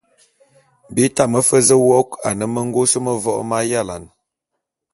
Bi tame fe zu wôk ane mengôs mevok m'ayalane.